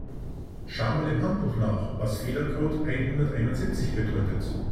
Schau mal im Handbuch nach, was Fehlercode einhunderteinundsiebzig bedeutet.